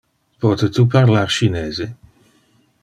Pote tu parlar Chinese?